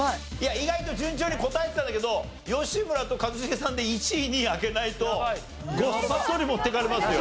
意外と順調に答えてたんだけど吉村と一茂さんで１位２位開けないとごっそり持っていかれますよ。